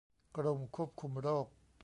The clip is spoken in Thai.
กรมควบคุมโรค